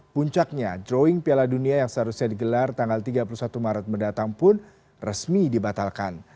puncaknya drawing piala dunia yang seharusnya digelar tanggal tiga puluh satu maret mendatang pun resmi dibatalkan